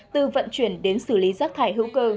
từ vận chuyển đến xử lý rác thải hữu cơ